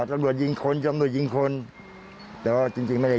ทรัพย์จรวจยิงคนดร์มย์จรวจยิงคนแต่ว่าจริงจริงไม่ได้